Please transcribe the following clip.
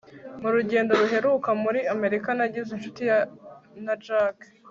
mu rugendo ruheruka muri amerika, nagize inshuti na jack